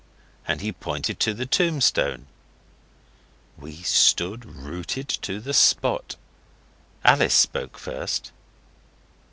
and he pointed to the tombstone. We stood rooted to the spot. Alice spoke first.